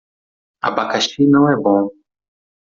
Abacaxi não é bom